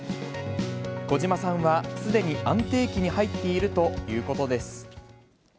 小島さんはすでに安定期に入っているということです。